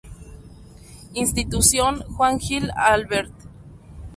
Institución Juan Gil Albert.